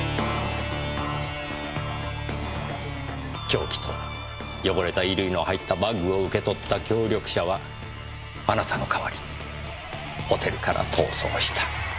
凶器と汚れた衣類の入ったバッグを受け取った協力者はあなたの代わりにホテルから逃走した。